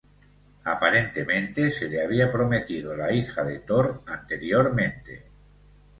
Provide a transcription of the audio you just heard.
Aparentemente se le había prometido la hija de Thor anteriormente.